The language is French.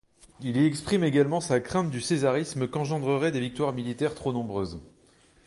Il y exprime également sa crainte du césarisme qu'engendreraient des victoires militaires trop nombreuses.